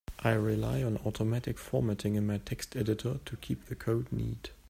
I rely on automatic formatting in my text editor to keep the code neat.